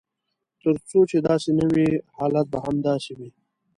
تر څو چې داسې نه وي حالات به همداسې وي.